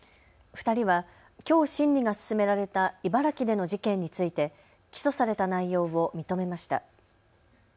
２人はきょう審理が進められた茨城での事件について起訴された内容を認めました。